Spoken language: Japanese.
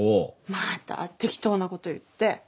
また適当なこと言って。